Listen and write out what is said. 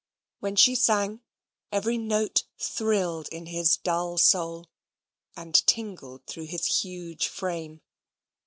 When she sang, every note thrilled in his dull soul, and tingled through his huge frame.